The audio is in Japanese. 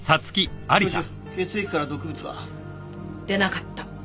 教授血液から毒物は？出なかった。